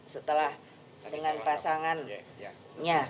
setelah dengan pasangannya